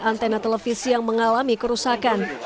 antena televisi yang mengalami kerusakan